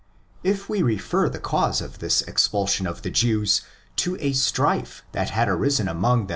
If we refer the cause of this expul sion of the Jews? to a strife that had arisen among.